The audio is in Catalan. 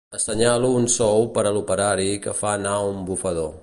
Assenyalo un sou per a l'operari que fa anar un bufador.